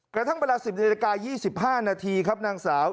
กระทั่งเวลา๑๐นาฬิกา๒๕นาทีครับนางสาว